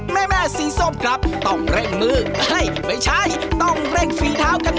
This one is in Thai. แม่แม่สุศิษศุนย์ครั้งนี้